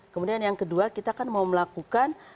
kemudian yang kedua kita kan mau melakukan